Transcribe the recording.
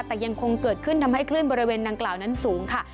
แต่ยังคงเกิดขึ้นทำให้คลื่นบริเวณดังกล่าวนั้นสูงค่ะ